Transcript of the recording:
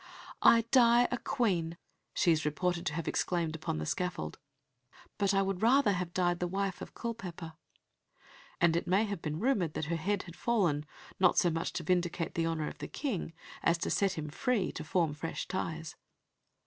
"I die a Queen," she is reported to have exclaimed upon the scaffold, "but I would rather have died the wife of Culpeper." And it may have been rumoured that her head had fallen, not so much to vindicate the honour of the King as to set him free to form fresh ties.